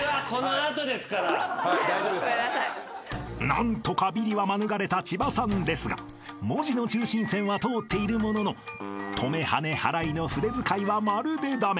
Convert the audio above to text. ［何とかビリは免れた千葉さんですが文字の中心線は通っているもののトメハネ払いの筆遣いはまるで駄目］